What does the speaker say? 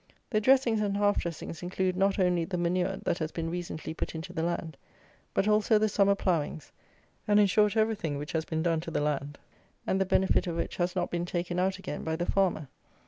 The dressings and half dressings include not only the manure that has been recently put into the land, but also the summer ploughings; and, in short, everything which has been done to the land, and the benefit of which has not been taken out again by the farmer.